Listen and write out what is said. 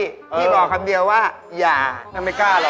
พี่บอกคำเดียวว่าอย่าถ้าไม่กล้าหรอก